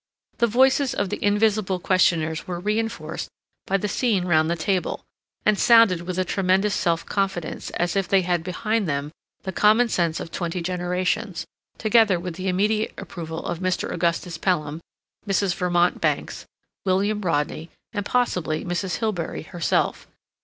The voices of the invisible questioners were reinforced by the scene round the table, and sounded with a tremendous self confidence, as if they had behind them the common sense of twenty generations, together with the immediate approval of Mr. Augustus Pelham, Mrs. Vermont Bankes, William Rodney, and, possibly, Mrs. Hilbery herself.